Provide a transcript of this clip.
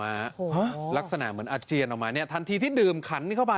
พระอาจารย์ออสบอกว่าอาการของคุณแป๋วผู้เสียหายคนนี้อาจจะเกิดจากหลายสิ่งประกอบกัน